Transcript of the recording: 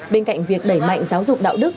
bên cạnh việc đẩy mạnh giáo dục đạo đức